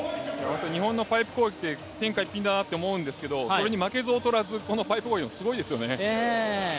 日本のパイプ攻撃って天下一品だなと思うんですけどそれに負けず劣らずこのパイプ攻撃、すごいですよね。